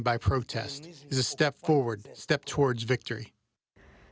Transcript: seperti diketahui presiden rusia mengatakan